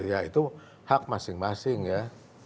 ya itu hak masing masing ya